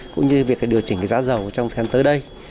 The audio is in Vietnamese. cũng như việc điều chỉnh cái giá dầu trong tháng tới đây